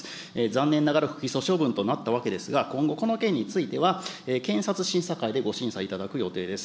残念ながら、不起訴処分となったわけですが、今後、この件については検察審査会でご審査いただく予定です。